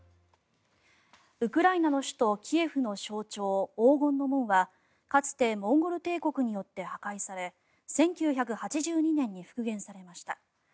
ウクライナの首都キエフの象徴黄金の門はかつてモンゴル帝国によって破壊され１９８２年に復元されました。